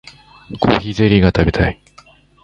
コーヒーゼリーが食べたい